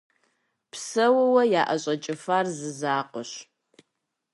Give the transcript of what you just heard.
Псэууэ яӀэщӀэкӀыфар зы закъуэщ.